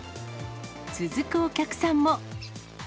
続くお客さんも。